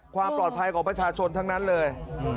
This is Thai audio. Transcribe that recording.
ความปลอดภัยของประชาชนทั้งนั้นเลย